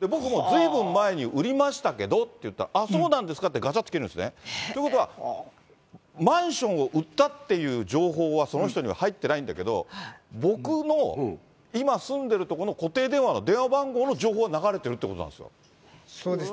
僕もずいぶん前に売りましたけどって言うと、ああそうなんですかって言って、がちゃっと切るんですね。ということは、マンションを売ったっていう情報はその人には入ってないんだけど、僕の今住んでいる所の固定電話の電話番号の情報は流れてるってこそうですね。